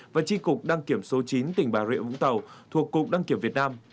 và tri cục đăng kiểm số chín tỉnh bà rịa vũng tàu thuộc cục đăng kiểm việt nam